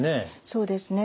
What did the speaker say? そうですね。